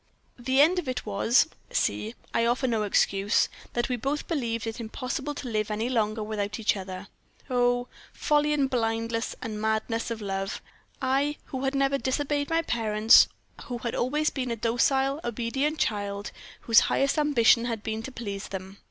"The end of it was see, I offer no excuse that we both believed it impossible to live any longer without each other. Oh! folly and blindness and madness of love! I, who had never disobeyed my parents, who had always been a docile, obedient child, whose highest ambition had been to please them.